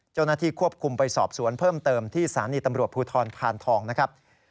เจ้าหน้าที่ควบคุมไปสอบสวนเพิ่มเติมที่สถานีตำรวจภูทรพานทองนะครับ